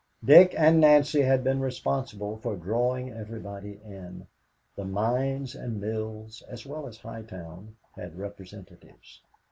Dick and Nancy had been responsible for drawing everybody in. The mines and mills, as well as High Town, had representatives.